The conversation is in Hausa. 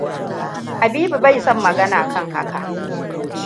Habibu bai son magana kan haka.